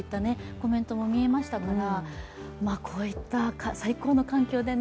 コメントも見えましたから、こういった最高の環境でね。